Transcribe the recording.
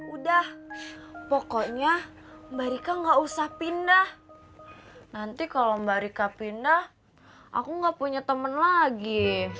udah pokoknya mbak rika gak usah pindah nanti kalau mbak rika pindah aku nggak punya teman lagi